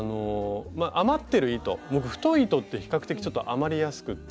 余ってる糸太い糸って比較的ちょっと余りやすくって。